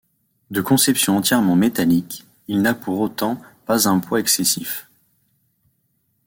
De conception entièrement métallique, il n'a pour autant pas un poids excessif.